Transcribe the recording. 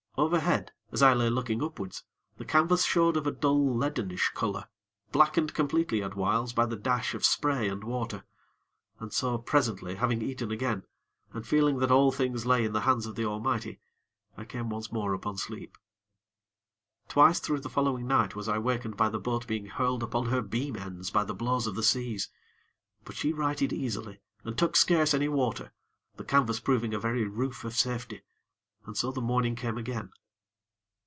Overhead, as I lay looking upwards, the canvas showed of a dull leadenish color, blackened completely at whiles by the dash of spray and water. And so, presently, having eaten again, and feeling that all things lay in the hands of the Almighty, I came once more upon sleep. Twice through the following night was I wakened by the boat being hurled upon her beam ends by the blows of the seas; but she righted easily, and took scarce any water, the canvas proving a very roof of safety. And so the morning came again.